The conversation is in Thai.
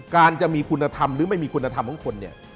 การจะมีคุณธรรมหรือไม่มีคุณธรรมของคนเนี่ย